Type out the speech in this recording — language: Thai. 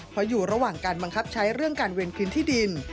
เพราะอยู่ระหว่างการบังคับใช้เรื่องการเวรคืนที่ดิน